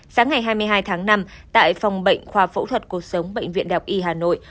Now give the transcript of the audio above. sáng ngày hai mươi hai tháng năm tại phòng bệnh khoa phẫu thuật cuộc sống bệnh viện đọc y hà nội